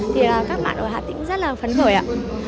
thì các bạn ở hà tĩnh rất là phấn khởi ạ